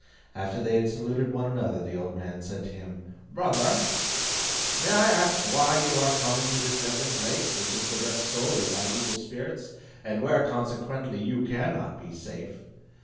After they had saluted one another, the old man said to him, "Brother, may I ask why you are come into this desert place, which is possessed solely by evil spirits, and where consequently you cannot be safe?